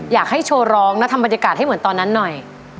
อยากให้โชว์ร้องนะทำบรรยากาศให้เหมือนตอนนั้นหน่อย